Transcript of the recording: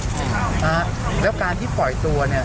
ใช่ครับแล้วการที่ปล่อยตัวเนี่ย